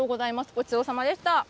ごちそうさまでした。